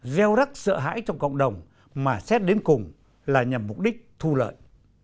gieo rắc sợ hãi trong cộng đồng mà xét đến cùng là nhằm mục đích thu lợi